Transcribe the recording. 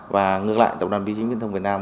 và ngược lại tập đoàn bị trí nguyên thông việt nam